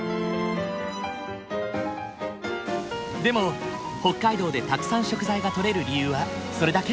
でも北海道でたくさん食材がとれる理由はそれだけ？